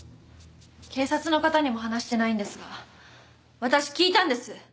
警察の方にも話してないんですが私聞いたんです